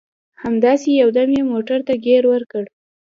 همداسې یو دم یې موټر ته ګیر ورکړ.